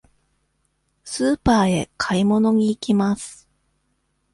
スーパーへ買い物に行きます。